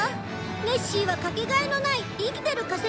ネッシーはかけがえのない生きてる化石なのよ。